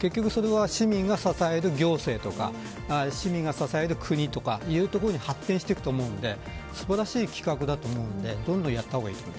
結局それは、市民が支える行政とか市民が支える国とかというところに発展していきますので素晴らしい企画だと思うのでどんどんやっていいと思います。